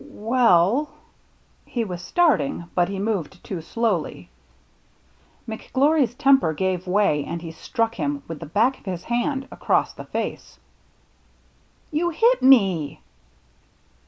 "Well —" He was starting, but he moved too slowly. McGlory's temper gave way, and he struck BURNT COVE 121 him, with the back of his hand, across the face. " You hit me